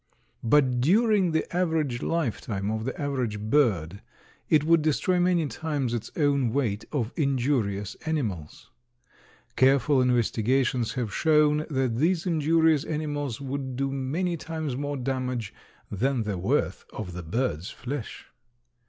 But during the average lifetime of the average bird it would destroy many times its own weight of injurious animals. Careful investigations have shown that these injurious animals would do many times more damage than the worth of the bird's flesh.